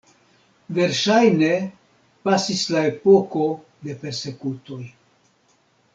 Verŝajne pasis la epoko de persekutoj.